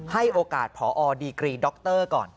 ให้โอกาสผดกก่อน